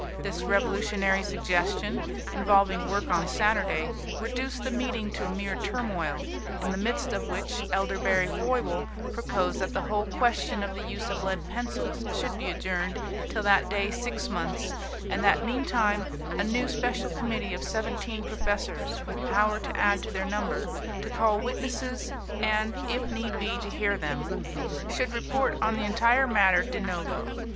This revolutionary suggestion, involving work on Saturday, reduced the meeting to a mere turmoil, in the midst of which Elderberry Foible proposed that the whole question of the use of lead pencils should be adjourned till that day six months, and that meantime a new special committee of seventeen professors, with power to add to their number, to call witnesses and, if need be, to hear them, should report on the entire matter de novo.